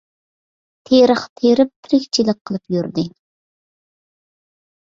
تېرىق تېرىپ ، تىرىكچىلىك قىلىپ يۈردى.